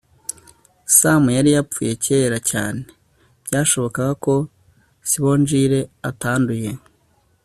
sam yari yarapfuye kera cyane. byashobokaga ko sibongile atanduye